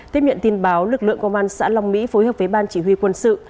tiếp nhận tin báo lực lượng công an xã long mỹ phối hợp với ban chỉ huy quân sự